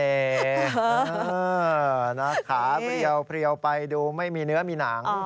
ขาเรียวไปดูไม่มีเนื้อมีหนัง